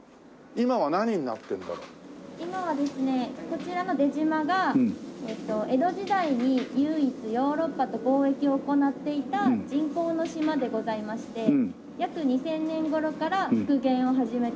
今はですねこちらの出島が江戸時代に唯一ヨーロッパと貿易を行っていた人工の島でございまして約２０００年頃から復元を始めている史料館でございます。